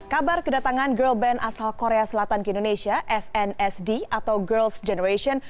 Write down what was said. kabar kedatangan girl band asal korea selatan ke indonesia snsd atau girls generation